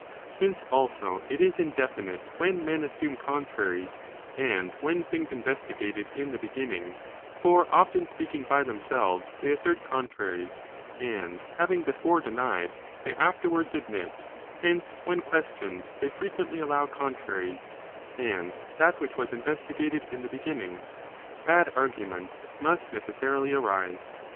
Since also it is indefinite when men assume contraries, and when things (investigated) in the 3, prigin of bad beginning, (for often speaking by themselves they assert contraries, and having before denied, they afterwards admit, hence when questioned they frequently allow contra ries, and that which (was investigated) in the beginning, ) bad arguments, must necessarily arise.